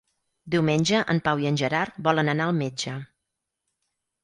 Diumenge en Pau i en Gerard volen anar al metge.